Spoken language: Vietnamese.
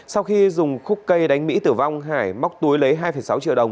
sau khi dùng khúc cây đánh mỹ tử vong hải móc túi lấy hai sáu triệu đồng